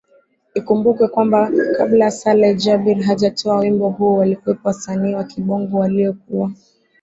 Ikumbukwe kwamba kabla Saleh Jabir hajatoa wimbo huo walikuwepo wasanii wa Kibongo waliokuwa